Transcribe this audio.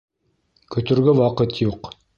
Көтөргә ваҡыт юҡ.